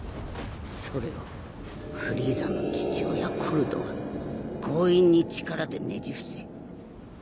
それをフリーザの父親コルドは強引に力でねじ伏せ配下にしやがって。